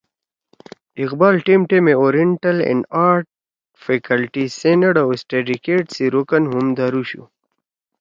اقبال ٹیم ٹیمے اوریئنٹل اینڈ آرٹس فیکلٹی، سینیٹ او سٹڈیکیٹ سی رُکن ہُم دھرُوشُو